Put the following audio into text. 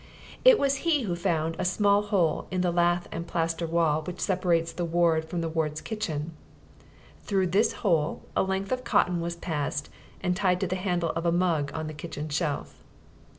It was he who found a small hole in the lath and plaster wall which separates the ward from the ward's kitchen. Through this hole a length of cotton was passed and tied to the handle of a mug on the kitchen shelf.